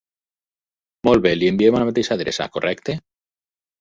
Molt bé, li enviem a la mateixa adreça, correcte?